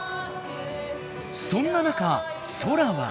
そんな中ソラは。